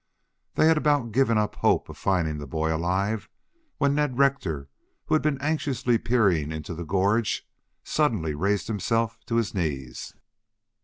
They had about given up hope of finding the boy alive, when Ned Rector, who had been anxiously peering into the gorge, suddenly raised himself to his knees.